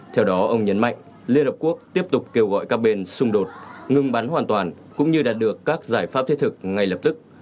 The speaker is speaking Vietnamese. theo đó ông nhấn mạnh liên hợp quốc tiếp tục kêu gọi các bên xung đột ngừng bắn hoàn toàn cũng như đạt được các giải pháp thiết thực ngay lập tức